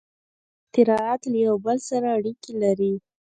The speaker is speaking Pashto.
• ټول اختراعات له یو بل سره اړیکې لري.